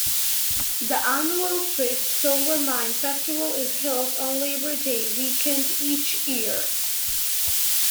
The annual Swift Silver Mine Festival is held on Labor Day weekend each year.